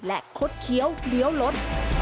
และคดเคี้ยวเลี้ยวรถ